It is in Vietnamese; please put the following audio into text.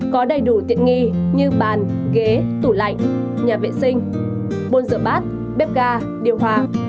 có đầy đủ tiện nghi như bàn ghế tủ lạnh nhà vệ sinh buôn rửa bát bếp ga điều hoàng